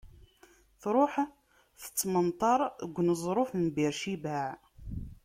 Tṛuḥ, tettmenṭar deg uneẓruf n Bir Cibaɛ.